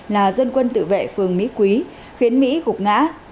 là dân quân tự vệ phường mỹ quý khiến mỹ gục ngã